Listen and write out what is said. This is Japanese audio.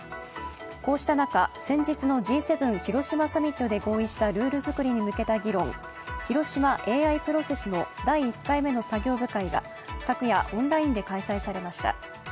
こうした中先日のＧ７広島サミットで合意したルール作りに向けた議論、広島ＡＩプロセスの第１回目の作業部会が昨夜、オンラインで開催されました。